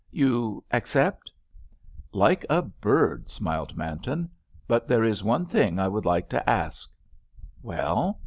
"You accept?" "Like a bird!" smiled Manton. "But there is one thing I would like to ask." "Well?"